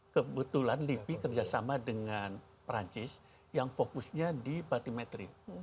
kebetulan lipi kerjasama dengan perancis yang fokusnya di batimetri